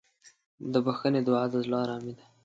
د بښنې دعا د زړه ارامي ده.